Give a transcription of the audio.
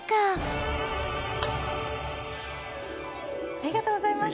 ありがとうございます。